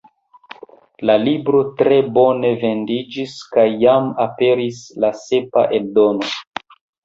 La libro tre bone vendiĝis kaj jam aperis la sepa eldono.